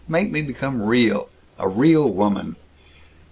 Make me become real! A real woman!"